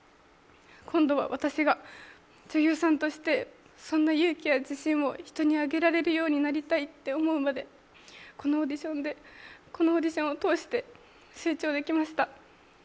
今度は私が、女優さんとしてそんな勇気や自信を人にあげたいって思うまでこのオーディションで、このオーディションを通して成長できました。